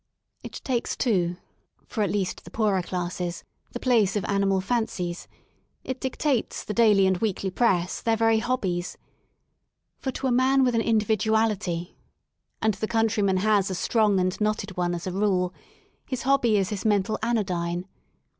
It takes, too, for at least the poorer classes, the place of animal "fancies"; it dictates, the daily and weekly press, their very hobbies. For to a man with an in dividuality — and the countryman has a strong and knotted one as a rule — his hobby is his mental anodyne.